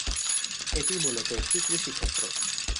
এটি মূলত একটি কৃষিক্ষেত্র।